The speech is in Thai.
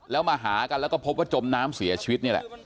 แล้วมาหากันแล้วก็พบว่าจมน้ำเสียชีวิตนี่แหละ